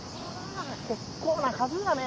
結構な数やね！